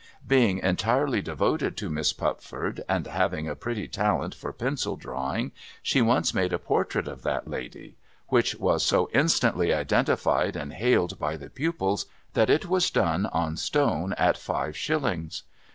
Being entirely devoted to Miss Pupford, and having a pretty talent for pencil drawing, she once made a portrait of that lady : which was so instantly identified and hailed by the pupils, that it was done on stone at five shillings.